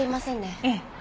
ええ。